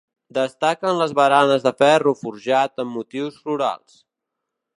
Destaquen les baranes de ferro forjat amb motius florals.